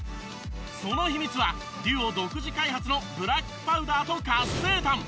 その秘密はＤＵＯ独自開発のブラックパウダーと活性炭。